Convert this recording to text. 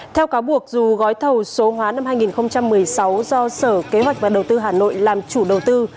theo cáo buộc dù gói thầu số hóa năm hai nghìn một mươi sáu do sở kế hoạch và đầu tư hà nội làm chủ đầu tư